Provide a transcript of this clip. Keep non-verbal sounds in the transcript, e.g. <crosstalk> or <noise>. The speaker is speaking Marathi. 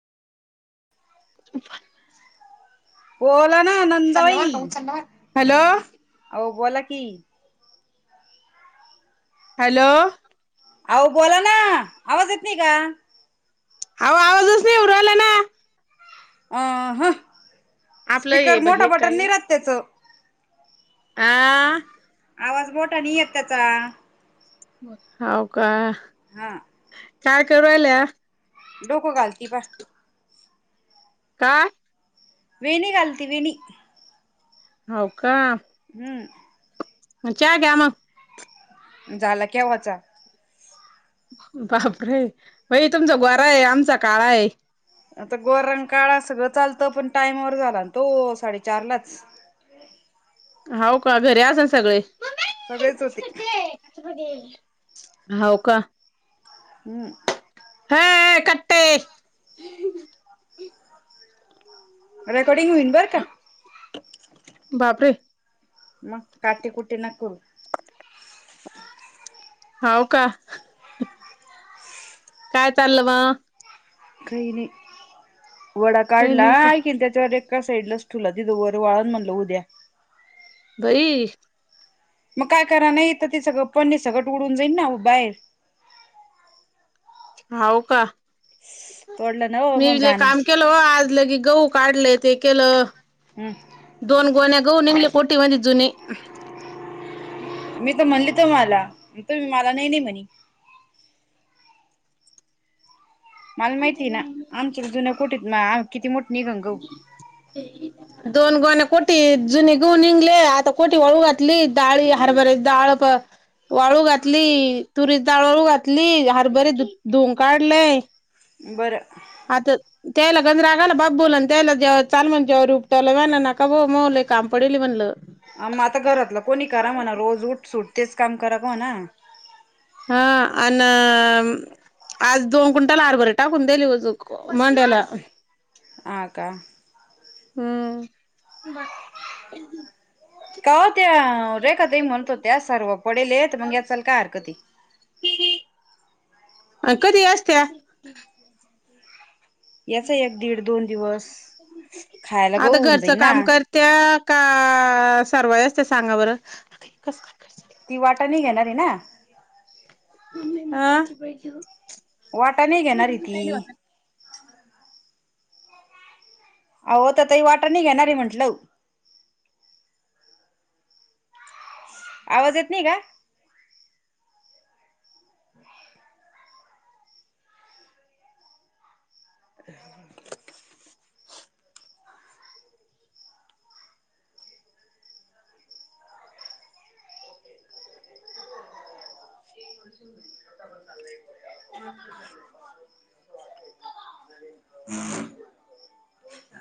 <inaudible> बोला ना नंदबाई? हॅलो, अहो बोला की. हॅलो, आओ बोला ना आवाज येत नाही का? आहो आवाजच नाही येऊ राहिला ना? अ हं आपलं हे स्पीकर ब मोठा हे बटन काय नाही राहत त्याचं. आ.. आवाज मोटा नाही येत त्याचा. बोल हाव का. हा. काय करून राहिल्या. डोक घालती बा हा. वेणी घालती वेणी. हो का. हम्म. चहा द्या मगं. झाला केव्हाचा. बापरे. बाई तुमचा गोरा आहे. आमचा काळा आहे. आता गोरा आणि काळा सगळं चालतं. पण टाइमावर झाला ना तो साडेचारलाच. हो का घरी असल सगळे. सगळेच होते. अस कधी होईल. हो का. हम्म. हे कट रेकॉर्डिंग होईन बरं का. बापरे. मग काटीकुटी नको. हो का. काय चाललं मग. काही नाही. वडा काही काढला. नाही का ऐकिन त्याच्यासा एका साईडलाच ठेवला. तिथ वर वाळण म्हणलं उद्या. बई. मग काय करा नाही. इथ सगळं फणी सकट उडून जाईन ना बाहेर. हाव का तोडलं ना हो मग मीले घाणा काम केलं हो. आज लगे गहू काढले ते केलं. हम् दोन गोन्या गं. नुसत कोटी वाणी जुनी. मी तर म्हणली तुम्हाला, तुमी मला नाही नाही म्हणे. मला माहितीय आहे ना. आमच्या जुन्या कोठितन किती मोठ निघल गहु. हम. दोन गोणे कोटी जुनी गहू निघले. आता कोटी वाळू घातली डाळी, हरभरे डाळ प वाळू घातली. तुरी डाळ वाळू घातली. हरभरे धू धुऊन काढले. बरं. आता त्याला गजरा घाल बाप बोलला त्याला जे चाल म्हण जेवर उपटवलं व नका भाऊ मऊ झाले काम पडेली म्हणलं. अ मग आता घरातलं कोणी करा म्हणा. रोज उठ सूट तेच काम करा म्हणा. हा आना आज दोन क्विंटल आरभर टाकून दिलीज मांड्याला. हा का. हम्म. का व त्या रेखा ताई म्हणत होत्या, सर्व पडेले तर मग वेचाला काय हरकती. अ कधी असत्या? याचा एक, दीड, दोन दिवस खायला गहू आता होऊन घरचं जाईल काम ना कर त्या का सारवाय असत्या सांगा बरं ती वाटाने घेणारी ना आ वाटाने घेणार री ती आहो ततयी वाटाणे घेणारी म्हटलं आवाज येत नाही का? <inaudible>